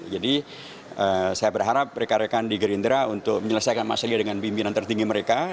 jadi saya berharap mereka rekan di gerindra untuk menyelesaikan masalah dengan pimpinan tertinggi mereka